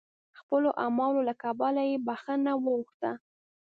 خپلو اعمالو له کبله یې بخښنه وغوښته.